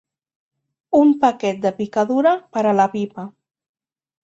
Un paquet de picadura per a la pipa.